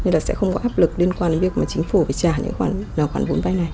nên là sẽ không có áp lực liên quan đến việc mà chính phủ phải trả những khoản vốn vay này